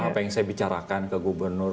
apa yang saya bicarakan ke gubernur